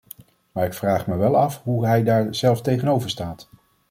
Maar ik vraag me wel af hoe hij daar zelf tegenover staat.